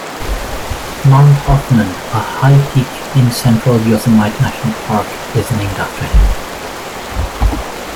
Mount Hoffmann, a high peak in central Yosemite National Park, is named after him.